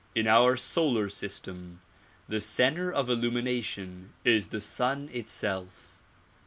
In our solar system, the center of illumination is the sun itself.